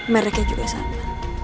merknya juga sama